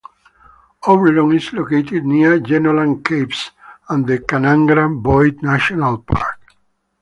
Oberon is located near Jenolan Caves and the Kanangra-Boyd National Park.